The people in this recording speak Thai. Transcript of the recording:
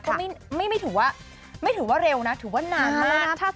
ก็ไม่ถือว่าเร็วนะถือว่านานมาก